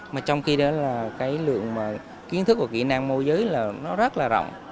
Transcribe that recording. mà trong khi đó là cái lượng kiến thức và kỹ năng môi giới là nó rất là rộng